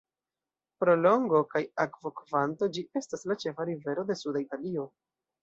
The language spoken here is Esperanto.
Pro longo kaj akvokvanto, ĝi estas la ĉefa rivero de suda Italio.